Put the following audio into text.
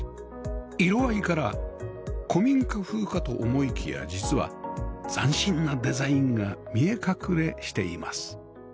色合いから古民家風かと思いきや実は斬新なデザインが見え隠れしています